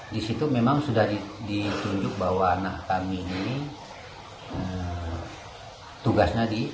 di situ memang sudah ditunjuk bahwa anak kami ini tugasnya di